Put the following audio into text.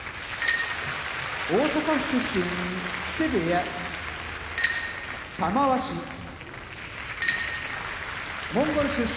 大阪府出身木瀬部屋玉鷲モンゴル出身